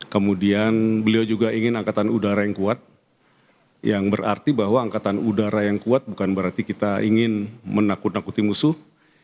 kemudian beliau juga ingin angkatan udara yang kuat yang berarti bahwa angkatan udara yang kuat bukan berarti kita ingin menakut nakuti musuh